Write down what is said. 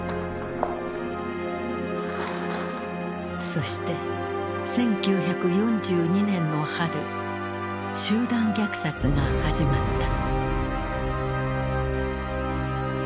そして１９４２年の春集団虐殺が始まった。